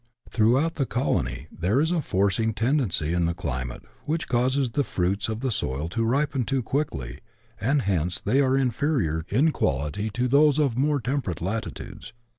Throughout the colony there is a forcing tendency in the climate, which causes the fruits of tlie soil to ripen too quickly, and hence they are inferior in quality to those" of more temperate latitudes.